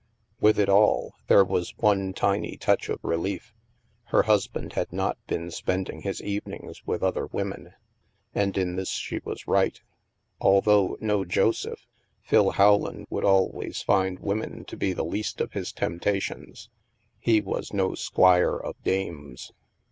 With it all, there was one tiny touch of relief. Her husband had not been spending his evenings with other women. And in this she was right. Al though no Joseph, Phil Howland would always find THE MAELSTROM 199 women to be the least of his temptations. He was no squire of dames.